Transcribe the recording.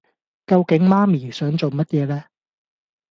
究竟媽咪想做乜嘢呢